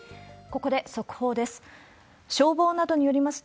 ここで速報です。